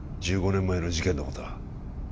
１５年前の事件のことだ